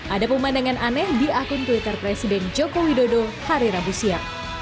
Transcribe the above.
ada pemandangan aneh di akun twitter presiden joko widodo hari rabu siang